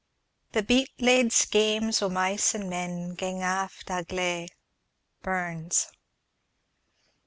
The beat laid schemes o' mice and men Gang aft agley. Burns.